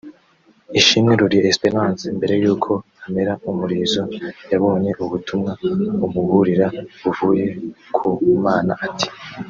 Ishimwe Lorie Esperance mbere yuko amera umurizo yabonye ubutumwa bumuburira buvuye ku Mana ati